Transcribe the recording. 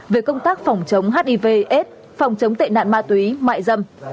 về công tác phòng chống hiv s phòng chống tệ nạn ma túy mại dâm